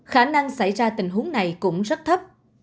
khả năng xảy ra tình huống này cũng rất thấp